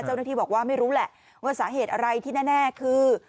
เจ้าหน้าที่บอกว่าไม่รู้แหละว่าสาเหตุอะไรที่แน่คือ